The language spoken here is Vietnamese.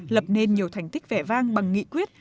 lập nên nhiều thành tích vẻ vang bằng nghị quyết